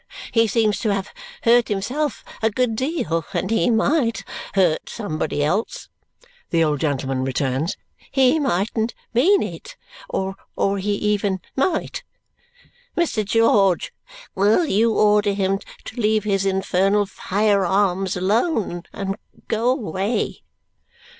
He seems to have hurt himself a good deal, and he might hurt somebody else," the old gentleman returns. "He mightn't mean it or he even might. Mr. George, will you order him to leave his infernal fire arms alone and go away?"